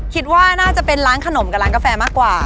คิดว่าน่าจะเป็นร้านขนมกับร้านกาแฟมากกว่า